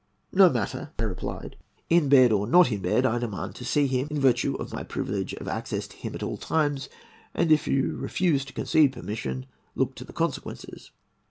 'No matter,' I replied; 'in bed or not in bed, I demand to see him, in virtue of my privilege of access to him at all times, and, if you refuse to concede permission, look to the consequences.'